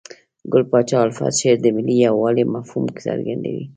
ګل پاچا الفت شعر د ملي یووالي مفهوم څرګندوي.